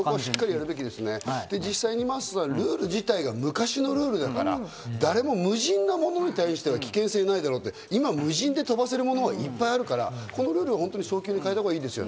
実際、真麻さん、ルール自体が昔のルールだから、誰も無人のものに対しては危険性がないだろうって、今、無人で飛ばせるものがいっぱいあるから、早急にこのルールは変えたほうがいいですね。